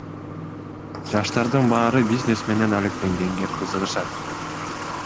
Жаштардын баары бизнес менен алектенгенге кызыгышат.